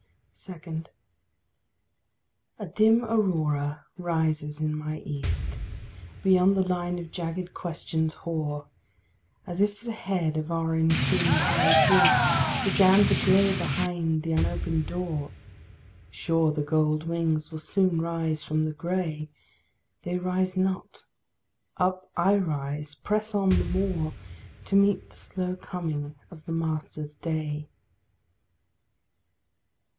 2. A dim aurora rises in my east, Beyond the line of jagged questions hoar, As if the head of our intombed High Priest Began to glow behind the unopened door: Sure the gold wings will soon rise from the gray! They rise not. Up I rise, press on the more, To meet the slow coming of the Master's day.